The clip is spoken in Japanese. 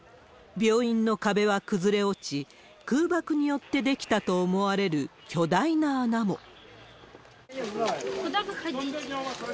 病院の壁は崩れ落ち、空爆によって出来たと思われる巨大な穴も。